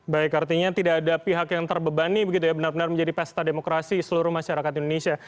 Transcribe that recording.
baik artinya tidak ada pihak yang terbebani begitu ya benar benar menjadi pesta demokrasi seluruh masyarakat indonesia